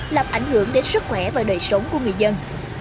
làm ảnh hưởng đến sức khỏe và đời sống của người dân